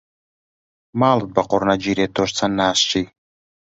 ماڵت بە قوڕ نەگیرێ تۆش چەند ناسکی.